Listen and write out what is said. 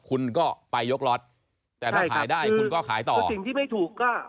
คุณก็ไปยกล็อตแต่ถ้าขายได้คุณก็ขายต่อสิ่งที่ไม่ถูกก็